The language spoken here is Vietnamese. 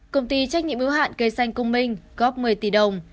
công ty trách nhiệm ứng hạn cây xanh cung minh góp một mươi tỷ đồng